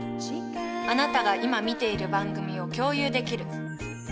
あなたが今見ている番組を共有できる。